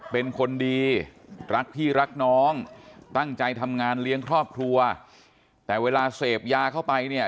เป็นคนดีรักพี่รักน้องตั้งใจทำงานเลี้ยงครอบครัวแต่เวลาเสพยาเข้าไปเนี่ย